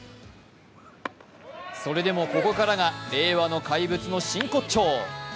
それでもここからが令和の怪物の真骨頂。